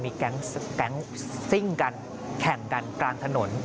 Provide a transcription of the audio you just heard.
บ้านแจ้งตำรวจว่ามันมีแก๊งซิ่งกันแข่งกันกลางถนน